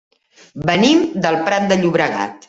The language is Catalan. Venim del Prat de Llobregat.